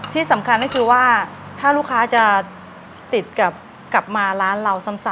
ที่สำคัญก็คือว่าถ้าลูกค้าจะติดกลับมาร้านเราซ้ำ